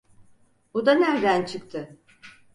Bu da nerden çıktı?